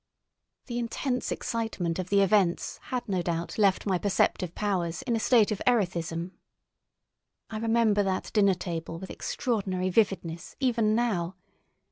The intense excitement of the events had no doubt left my perceptive powers in a state of erethism. I remember that dinner table with extraordinary vividness even now.